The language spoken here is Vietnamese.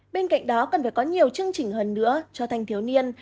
bên cạnh đó cần phải có nhiều chương trình hơn nữa cho thanh thiếu niên